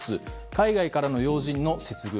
海外からの要人の接遇。